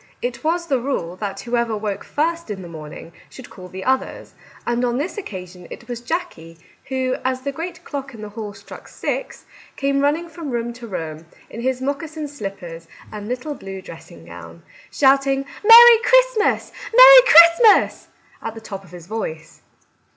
It was the rule that who ever woke first in the morning should call the others, and on this occasion it was Jackie who, as the great clock in the hall struck six, came running from room to room in his moccasin slippers and little blue dressing gown, shout ing " Merry Christmas, Merry Christmas," at the top of his voice.